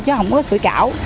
chứ không có sủi cảo